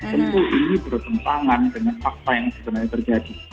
tentu ini bertentangan dengan fakta yang sebenarnya terjadi